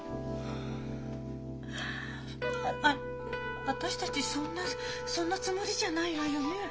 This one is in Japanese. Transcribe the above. あ私たちそんなそんなつもりじゃないわよねえ。